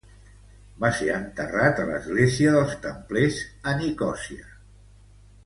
Va ser enterrat a l'església dels Templers, a Nicòsia.